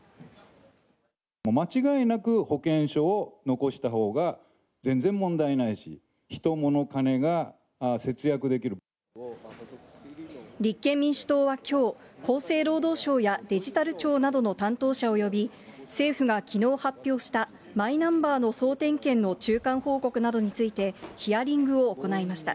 間違いなく保険証を残したほうが全然問題ないし、立憲民主党はきょう、厚生労働省やデジタル庁などの担当者を呼び、政府がきのう発表したマイナンバーの総点検の中間報告などについて、ヒアリングを行いました。